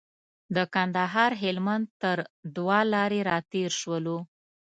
د کندهار هلمند تر دوه لارې راتېر شولو.